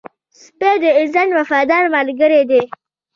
سپی د انسان وفادار ملګری دی